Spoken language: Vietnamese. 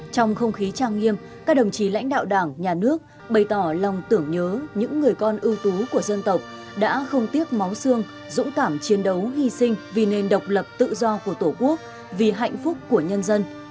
trong không khí trang nghiêm các đồng chí lãnh đạo đảng nhà nước bày tỏ lòng tưởng nhớ những người con ưu tú của dân tộc đã không tiếc máu xương dũng cảm chiến đấu hy sinh vì nền độc lập tự do của tổ quốc vì hạnh phúc của nhân dân